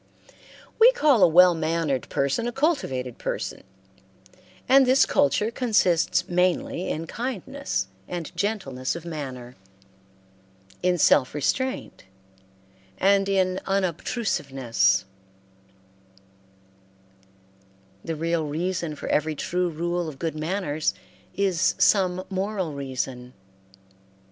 We call a well mannered person a cultivated person; and this culture consists mainly in kindness and gentleness of manner, in self restraint, and in unobtrusiveness The real reason for every true rule of good manners is some moral reason.